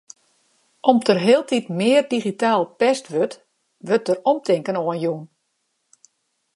Om't der hieltyd mear digitaal pest wurdt, wurdt dêr omtinken oan jûn.